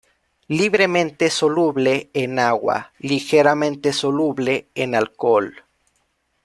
Libremente soluble en agua; ligeramente soluble en alcohol.